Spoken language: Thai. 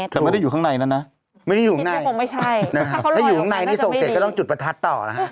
ถ้าอยู่ข้างในนี่ทรงเสร็จก็ต้องจุดประทัดต่อ